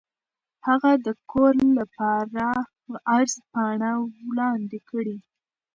هغه د کور لپاره عرض پاڼه وړاندې کړه.